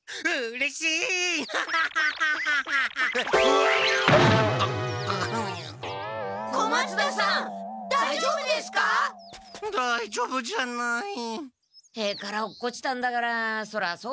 へいから落っこちたんだからそりゃそうでしょうね。